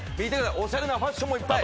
オシャレなファッションもいっぱい